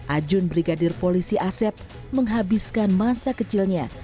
ajun brigadir polisi asep menghabiskan masa kecilnya